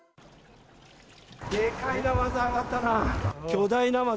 でっかいナマズがあがったな。